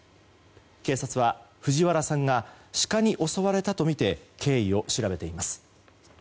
警察は藤原さんがシカに襲われたとみて経緯を調べています。